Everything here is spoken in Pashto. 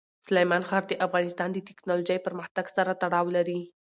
سلیمان غر د افغانستان د تکنالوژۍ پرمختګ سره تړاو لري.